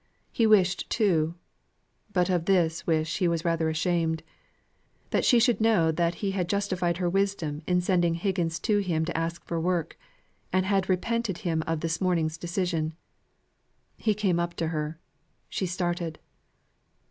He wished too, but of this wish he was rather ashamed, that she should know that he had justified her wisdom in sending Higgins to him to ask for work, and had repented him of his morning's decision. He came up to her. She started.